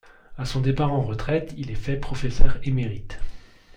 À son départ en retraite, il est fait professeur émérite.